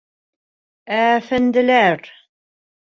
Әәфәнделәр!